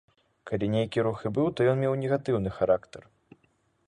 Калі нейкі рух і быў, то ён меў негатыўны характар.